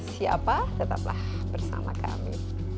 siapa tetaplah bersama kami